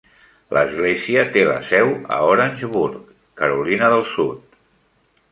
L'església té la seu a Orangeburg, Carolina del Sud.